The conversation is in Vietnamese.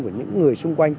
của những người sùng